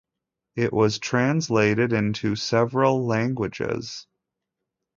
It was translated into several languages.